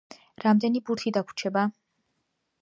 რამდენი ბურთი დაგვრჩება?